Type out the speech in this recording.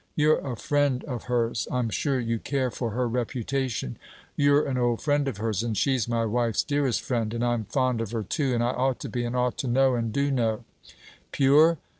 'You're a friend of hers. I 'm sure you care for her reputation; you 're an old friend of hers, and she's my wife's dearest friend; and I'm fond of her too; and I ought to be, and ought to know, and do know: pure?